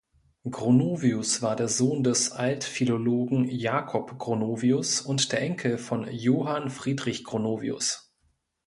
Gronovius war Sohn des Altphilologen Jakob Gronovius und der Enkel von Johann Friedrich Gronovius.